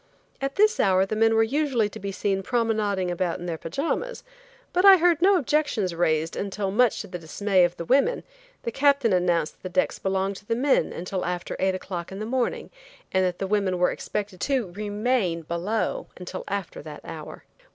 At this hour the men were usually to be seen promenading about in their pajamas, but I heard no objections raised until much to the dismay of the women the Captain announced that the decks belonged to the men until after eight o'clock in the morning, and that the women were expected to remain below until after that hour.